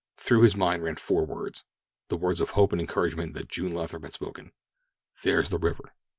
Through his mind ran four words—the words of hope and encouragement that June Lathrop had spoken: "There's the river."